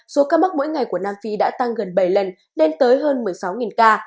số ca mắc mỗi ngày của nam phi đã tăng gần bảy lần lên tới hơn một mươi sáu ca